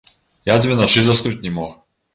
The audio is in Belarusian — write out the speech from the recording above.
Я дзве начы заснуць не мог.